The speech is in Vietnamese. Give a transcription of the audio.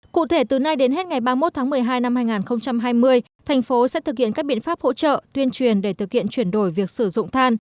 cụ thể từ nay đến hết ngày ba mươi một một mươi hai hai nghìn hai mươi tp sẽ thực hiện các biện pháp hỗ trợ tuyên truyền để thực hiện chuyển đổi việc sử dụng than